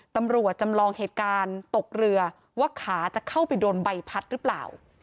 ตำรวจจำลองเหตุการณ์ตกเรือว่าขาจะเข้าไปโดนใบพัดหรือเปล่า